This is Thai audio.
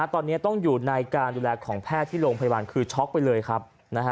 ตอนนี้ต้องอยู่ในการดูแลของแพทย์ที่โรงพยาบาลคือช็อกไปเลยครับ